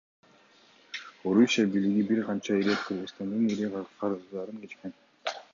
Орусия бийлиги бир канча ирет Кыргызстандын ири карыздарын кечкен.